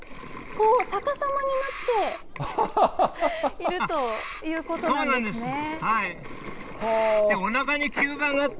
逆さまになっているということなんですね。